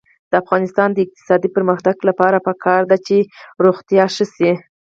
د افغانستان د اقتصادي پرمختګ لپاره پکار ده چې روغتیا ښه شي.